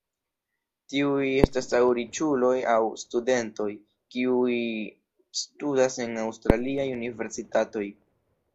Tiuj estas aŭ riĉuloj aŭ studentoj, kiuj studas en aŭstraliaj universitatoj.